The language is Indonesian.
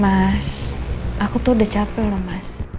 mas aku tuh udah capek loh mas